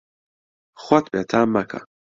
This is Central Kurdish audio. خۆت بێتام مەکە.